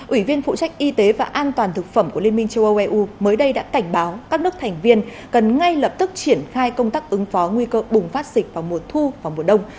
ủy viên phụ trách y tế và an toàn thực phẩm của liên minh châu âu eu mới đây đã cảnh báo các nước thành viên cần ngay lập tức triển khai công tác ứng phó nguy cơ bùng phát dịch vào mùa thu và mùa đông